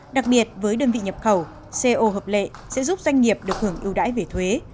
đặc biệt với đơn vị nhập khẩu co hợp lệ sẽ giúp doanh nghiệp được hưởng ưu đãi về thuế